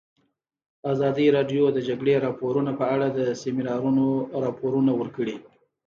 ازادي راډیو د د جګړې راپورونه په اړه د سیمینارونو راپورونه ورکړي.